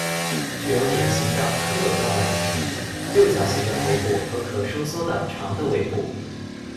具有典型的蝌蚪状外形：六角形的头部和可收缩的长的尾部。